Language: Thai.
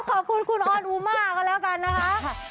ขอบคุณคุณออนุมาร์ก็แล้วกันนะครับ